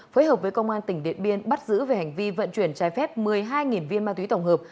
phối hợp với công an tỉnh điện biên bắt giữ về hành vi vận chuyển trái phép một mươi hai viên ma túy tổng hợp